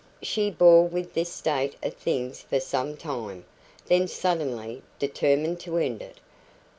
She bore with this state of things for some time, then suddenly determined to end it.